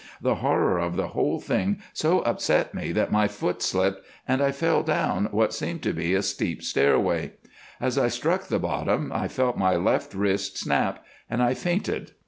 "The horror of the whole thing so upset me that my foot slipped, and I fell down what seemed to be a steep stairway. As I struck the bottom I felt my left wrist snap, and I fainted.